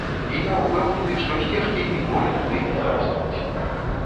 І я ўпэўнены, што сцежкі ніколі туды не зарастуць.